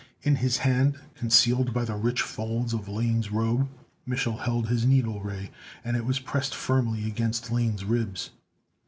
In his hand, concealed by the rich folds of Lane's robe, Mich'l held his needle ray, and it was pressed firmly against Lane's ribs.